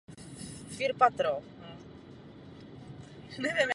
Už první lázeňské sezóny prokázaly velký potenciál lázní.